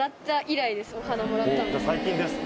じゃあ最近ですね。